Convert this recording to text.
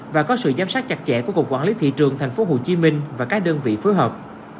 và có sự giám sát chặt chẽ của cục quản lý thị trường tp hcm và các đơn vị phối hợp